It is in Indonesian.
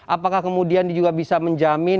apakah kemudian juga bisa menjamin